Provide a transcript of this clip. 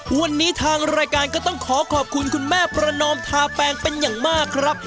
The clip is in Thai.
วันนี้ทางรายการก็ต้องขอขอบคุณคุณแม่ประนอมทาแปงเป็นอย่างมากครับ